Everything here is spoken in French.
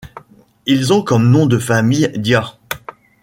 Ils ont comme nom de famille Dia.